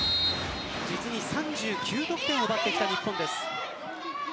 実に３９得点奪ってきた日本です。